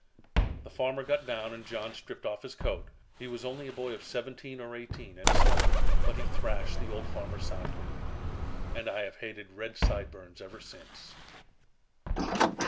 "The farmer got down and John stripped off his coat. He was only a boy of seventeen or eighteen and slender, but he thrashed the old farmer soundly. And I have hated red sideburns ever since."